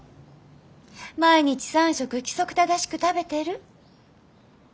毎日３食規則正しく食べてる？